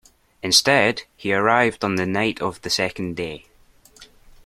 Instead, he arrived on the night of the second day.